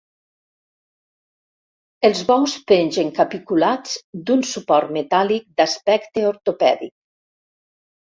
Els bous pengen capiculats d'un suport metàl·lic d'aspecte ortopèdic.